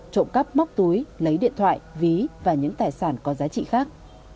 trộm cắp móc túi lấy điện thoại ví và những tài sản có giá trị khác